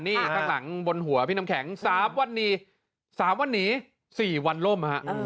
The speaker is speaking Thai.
นี่ข้างหลังบนหัวพี่น้ำแข็ง๓วันนี้๔วันล่ม